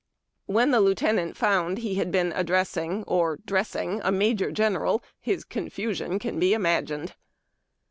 When the lieutenant found he had been addressing or "dressing"' a major general, liis confusion can be imagined.